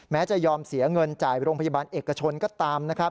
แม้จะยอมเสียเงินจ่ายไปโรงพยาบาลเอกชนก็ตาม